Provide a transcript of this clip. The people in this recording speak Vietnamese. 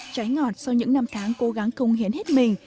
trái ngọt sau những năm tháng cố gắng công hiến hết mình